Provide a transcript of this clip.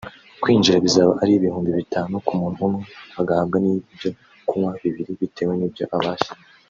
Kwinjira bizaba ari ibihumbi bitanu ku muntu umwe agahabwa n’ibyo kunywa bibiri bitewe n'ibyo abasha